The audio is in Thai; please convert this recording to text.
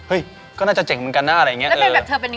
ก็น่าจะเจ๋งเหมือนกันนะอะไรอย่างนี้